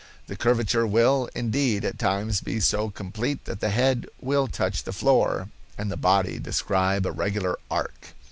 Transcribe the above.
The curvature will, indeed, at times be so complete that the head will touch the floor and the body describe a regular arc.